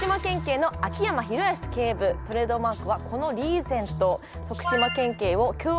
トレードマークはこのリーゼント。